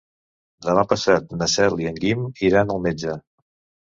Demà passat na Cel i en Guim iran al metge.